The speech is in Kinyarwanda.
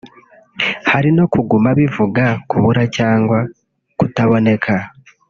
hari no kuguma bivuga kubura cyangwa kutaboneka